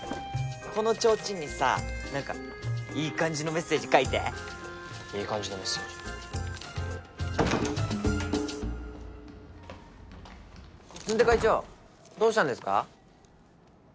このちょうちんにさなんかいい感じのメッセージ書いていい感じのメッセージ詰出会長どうしたんですか？